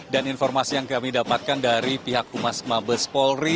dan informasi yang kami dapatkan dari pihak umas mabes polri